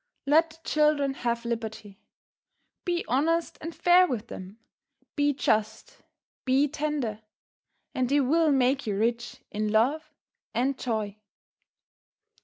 Let the children have liberty. Be honest and fair with them; be just; be tender, and they will make you rich in love and joy.